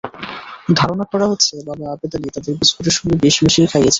ধারণা করা হচ্ছে, বাবা আবেদ আলী তাদের বিস্কুটের সঙ্গে বিষ মিশিয়ে খাইয়েছিলেন।